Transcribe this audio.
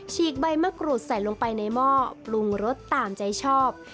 ฉีกใบมะกรูดใส่ลงไปในหม้อปรุงรสตามใจชอบ